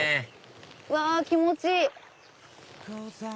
うわ気持ちいい！